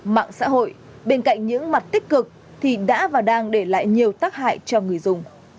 mạng xã hội bên cạnh những mặt tích cực thì đã và đang để lại nhiều tác hại cho người dùng